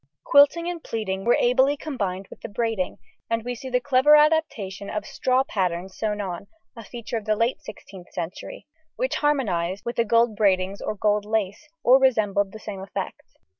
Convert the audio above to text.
Quilting and pleating were ably combined with the braiding, and we see the clever adaptation of straw patterns sewn on (a feature of the late 16th century), which harmonised with the gold braidings or gold lace, or resembled the same effect.